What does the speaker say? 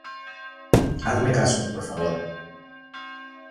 hazme caso, por favor.